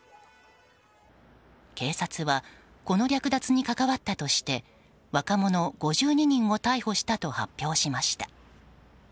警察はこの略奪に関わったとして若者５２人を逮捕したと発表しました。